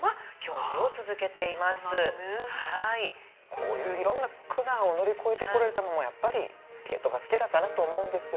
こういう色んな苦難を乗り越えてこられたのもやっぱりスケートが好きだからと思うんですよ。